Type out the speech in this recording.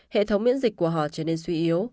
hệ thống miễn dịch của họ trở nên suy yếu